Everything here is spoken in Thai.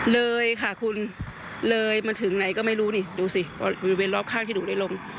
เลยค่ะคุณเลยมาถึงไหนก็ไม่รู้นี่ดูสิบริเวณรอบข้างที่หนูได้ลง